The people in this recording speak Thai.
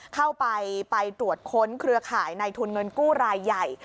เข้าไปไปตรวจค้นเครือข่ายในทุนเงินกู้รายใหญ่